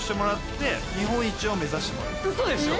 嘘でしょ！？